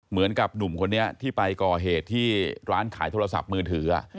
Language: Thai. เหมือนกับหนุ่มคนนี้ที่ไปก่อเหตุที่ร้านขายโทรศัพท์มือถือ